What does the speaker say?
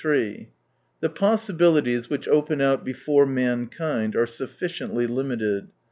The possibilities which open out before mankind are sufiiciently limited.